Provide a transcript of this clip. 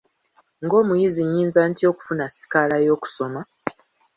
Ng'omuyizi nnyinza ntya okufuna sikaala y'okusoma?